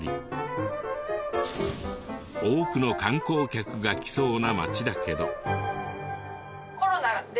多くの観光客が来そうな町だけど。